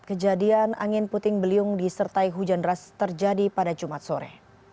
kejadian angin puting beliung disertai hujan deras terjadi pada jumat sore